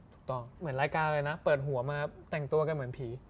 เหมือนรายการเลยนะเปิดหัวมาแต่งตัวกันเหมือนผี